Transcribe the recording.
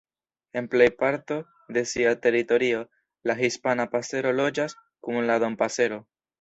En plej parto de sia teritorio, la Hispana pasero loĝas kun la Dompasero.